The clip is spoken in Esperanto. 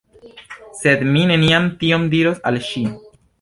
Sed mi neniam tion diros al ŝi.